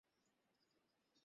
জাদু শুরু হয়ে গেছে!